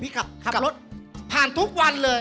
ขับรถผ่านทุกวันเลย